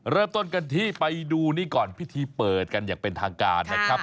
เริ่มต้นกันที่ไปดูนี่ก่อนพิธีเปิดกันอย่างเป็นทางการนะครับ